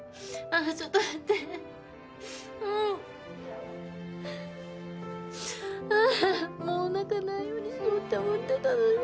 ああもう泣かないようにしようって思ってたのに。